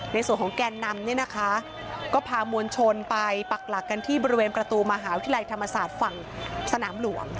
ในส่วนของแกนนำเนี่ยนะคะก็พามวลชนไปปักหลักกันที่บริเวณประตูมหาวิทยาลัยธรรมศาสตร์ฝั่งสนามหลวง